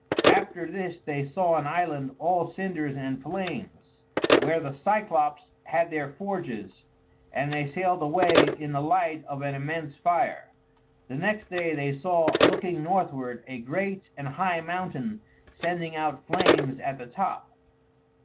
After this they saw an island, all cinders and flames, where the cyclops had their forges, and they sailed away in the light of an immense fire. The next day they saw, looking northward, a great and high mountain sending out flames at the top.